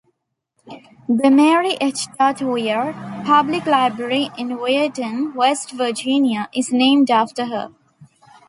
The Mary H. Weir Public Library in Weirton, West Virginia, is named after her.